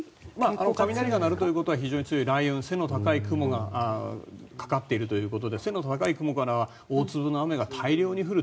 雷が降るということは雷雲背の高い雲がかかっているということで背の高い雲からは大粒の雨が大量に降る。